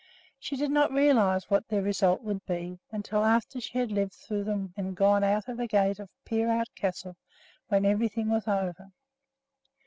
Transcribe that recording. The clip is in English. She did not realize what their result would be until after she had lived through them and gone out of the gate of Peerout Castle when everything was over.